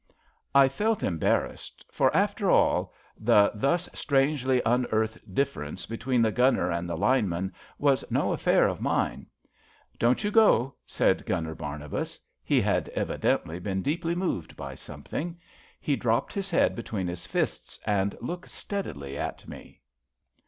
I felt embarrassed, for, after all, the thus strangely unearthed difference between the Gunner and the Line man was no affair of mine. Don't you go," said Gunner Barnabas. He had evidently been deeply moved by something. He dropped his head between his fists and looked steadily at me.